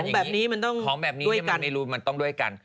แต่ว่าของแบบนี้มันต้องด้วยกัน